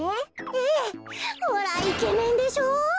ええほらイケメンでしょ。